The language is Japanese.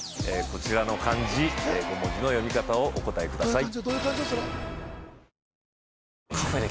こちらの漢字５文字の読み方をお答えください